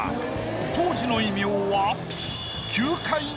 当時の異名は。